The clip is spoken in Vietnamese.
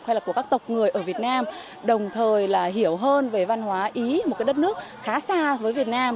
hay là của các tộc người ở việt nam đồng thời là hiểu hơn về văn hóa ý một cái đất nước khá xa với việt nam